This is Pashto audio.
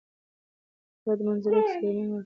د هېواد منظره کې سلیمان غر ښکاره دی.